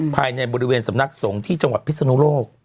ภายในบริเวณสำนักสงฆ์ที่จังหวัดพิศนุโลก